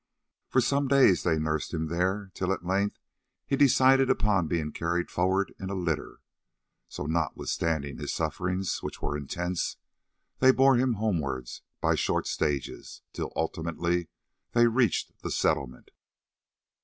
For some days they nursed him there, till at length he decided upon being carried forward in a litter. So notwithstanding his sufferings, which were intense, they bore him homewards by short stages, till ultimately they reached the Settlement.